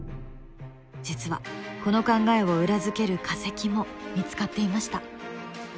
実はこの考えを裏付ける化石も見つかっていました。